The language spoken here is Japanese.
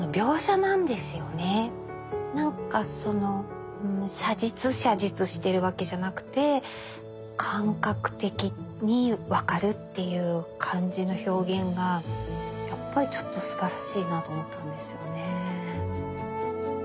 なんかその写実写実しているわけじゃなくて感覚的にわかるっていう感じの表現がやっぱりちょっとすばらしいなと思ったんですよね。